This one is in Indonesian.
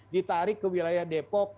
ditarik ke wilayah depok